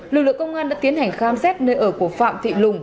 lực lượng công an đã tiến hành khám xét nơi ở của phạm thị lùng